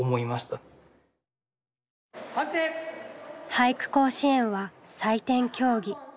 俳句甲子園は採点競技。